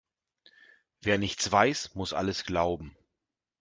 Wer nichts weiß, muss alles glauben.